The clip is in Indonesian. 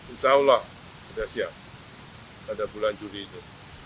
insya allah sudah siap pada bulan juli itu